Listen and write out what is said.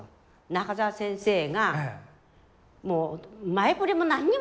中沢先生がもう前触れも何にもないね